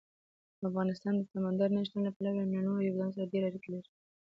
افغانستان د سمندر نه شتون له پلوه له نورو هېوادونو سره ډېرې اړیکې لري.